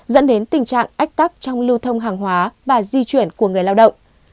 dẫn đến tình trạng ách tắc trong lưu thông hàng hóa và di chuyển của người lao động